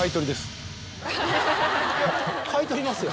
買い取りますよ。